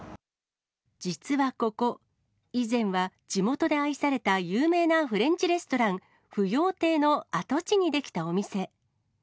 実はここ、以前は地元で愛された有名なフレンチレストラン、芙蓉亭の跡地に出来たお店。